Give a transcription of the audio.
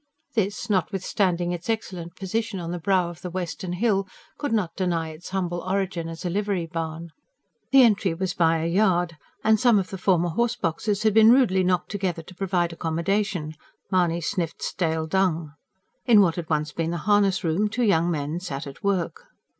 This, notwithstanding its excellent position on the brow of the western hill, could not deny its humble origin as a livery barn. The entry was by a yard; and some of the former horse boxes had been rudely knocked together to provide accommodation. Mahony sniffed stale dung. In what had once been the harness room, two young men sat at work.